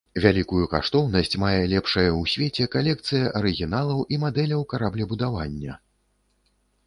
Вялікую каштоўнасць мае лепшая ў свеце калекцыя арыгіналаў і мадэляў караблебудавання.